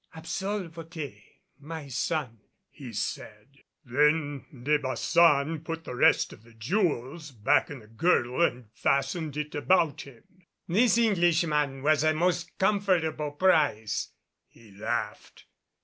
"Absolvo te, my son," he said. Then De Baçan put the rest of the jewels back in the girdle and fastened it about him. "This Englishman was a most comfortable prize," he laughed.